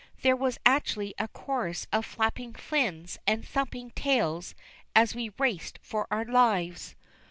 There was actually a chorus of flapping fins and thumping tails as we raced for our lives.